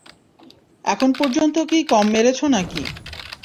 এখন পর্যন্ত কি কম মেরেছ নাকি?